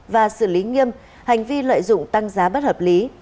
và xử lý nghiêm hành vi lợi dụng tăng giá bất hợp lý